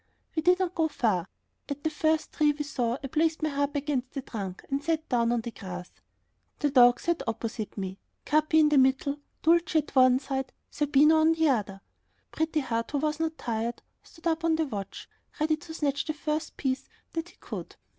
We did not go far. At the first tree that we saw I placed my harp against the trunk and sat down on the grass. The dogs sat opposite me, Capi in the middle, Dulcie at one side, Zerbino on the other. Pretty Heart, who was not tired, stood up on the watch, ready to snatch the first piece that he could.